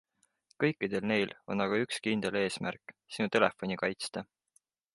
Kõikidel neil on aga üks kindel eesmärk - Sinu telefoni kaitsta.